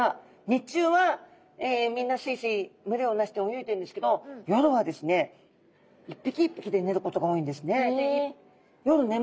日中はみんなスイスイ群れを成して泳いでるんですけど夜はですね一匹一匹で寝ることが多いんですね。